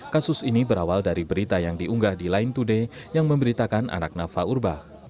kasus ini berawal dari berita yang diunggah di line today yang memberitakan anak nafa urbah